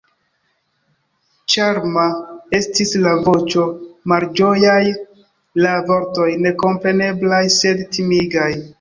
Ĉarma estis la voĉo, malĝojaj la vortoj, nekompreneblaj sed timigaj.